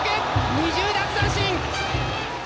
２０奪三振！